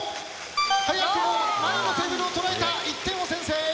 早くも前のテーブルを捉えた１点を先制。